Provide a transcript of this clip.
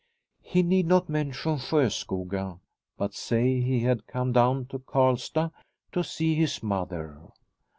He need not mention Sjoskoga, but say he had come down to Karlstad to see his mother.